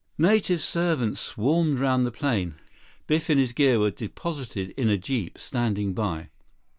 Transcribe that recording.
42 Native servants swarmed around the plane. Biff and his gear were deposited in a jeep standing by.